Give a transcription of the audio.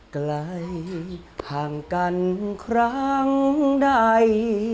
ไกลห่างกันครั้งใด